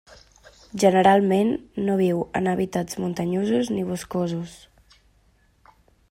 Generalment no viu en hàbitats muntanyosos ni boscosos.